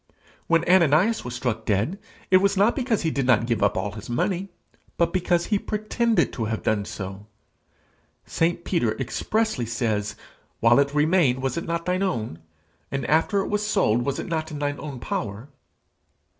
When Ananias was struck dead, it was not because he did not give up all his money, but because he pretended to have done so. St. Peter expressly says, 'While it remained was it not thine own? and after it was sold, was it not in thine own power?'